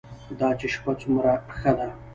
دا چې شپه څومره ښه ده.